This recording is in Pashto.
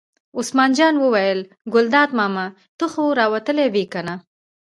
عثمان جان وویل: ګلداد ماما ته خو را وتلې وې کنه.